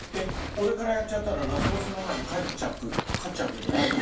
俺からやっちゃったらラスボスの前にかえっちゃっく勝っちゃうけど大丈夫？